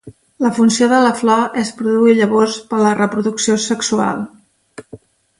La funció de la flor és produir llavors per a la reproducció sexual.